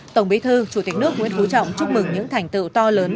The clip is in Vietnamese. tổng bí thư chủ tịch nước nguyễn phú trọng chúc mừng những thành tựu to lớn